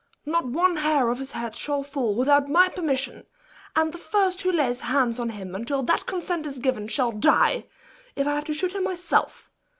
Not one hair of his head shall fall without my permission; and the first who lays hands on him until that consent is given, shall die, if I have to shoot him myself!